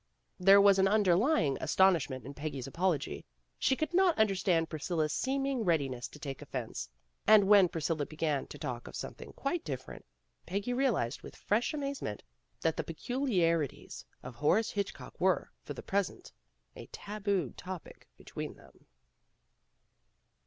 There was an underlying astonishment in Peggy's apology. She could not understand Priscilla 's seeming readiness to take offense. And when Priscilla began to talk of something quite different, Peggy realized with fresh amazement that the peculiarities >of Horace Hitchcock were, for the present, a tabooed topic between them.